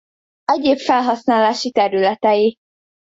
Egyéb felhasználási területei.